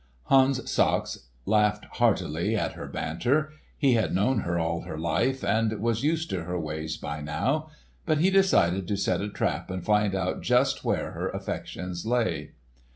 Hans Sachs laughed heartily at her banter. He had known her all her life and was used to her ways by now. But he decided to set a trap and find out just where her affections lay.